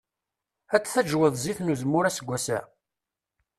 Ad d-taǧwew zzit n uzemmur aseggas-a?